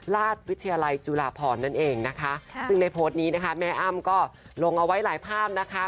ราชวิทยาลัยจุฬาพรนั่นเองนะคะซึ่งในโพสต์นี้นะคะแม่อ้ำก็ลงเอาไว้หลายภาพนะคะ